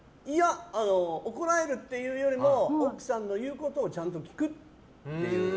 怒られるというよりも奥さんの言うことをちゃんと聞くっていう。